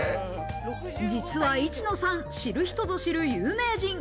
実は市野さん、知る人ぞ知る有名人。